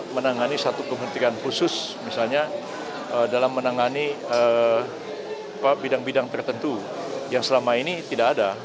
menangani satu kementerian khusus misalnya dalam menangani bidang bidang tertentu yang selama ini tidak ada